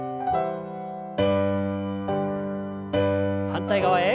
反対側へ。